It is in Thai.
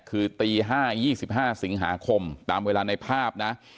คือตี๕๒๕สิงหาคมตามเวลาในภาพนะ